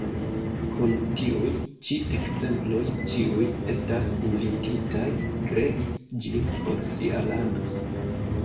Kun tiuj ĉi ekzemploj ĉiuj estas invititaj krei ĝin por sia lando.